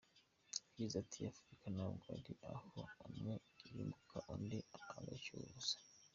Yagize ati “Afurika ntabwo ari aho umwe yunguka undi agacyura ubusa.